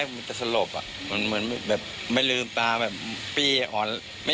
พี่สมหมายก็เลย